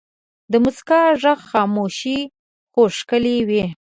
د مسکا ږغ خاموش خو ښکلی وي.